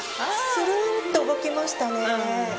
するんと動きましたね。